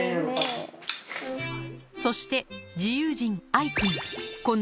そして自由人あいくん